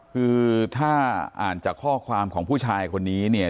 คือถ้าอ่านจากข้อความของผู้ชายคนนี้เนี่ย